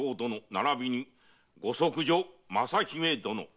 ならびにご息女・雅姫殿。